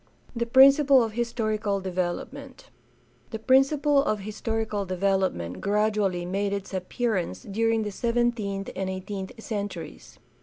The principle of historical development. — The principle of historical development gradually made its appearance during the seventeenth and eighteenth centuries.